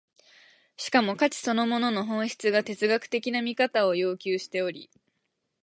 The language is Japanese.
しかも価値そのものの本質が哲学的な見方を要求しており、